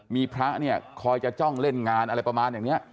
มีพระเนี่ยคอยจะจ้องเล่นงานอะไรประมาณอย่างนี้